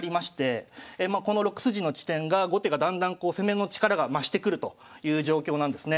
この６筋の地点が後手がだんだん攻めの力が増してくるという状況なんですね。